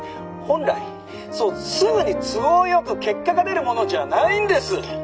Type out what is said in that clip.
本来そうすぐに都合よく結果が出るものじゃないんです。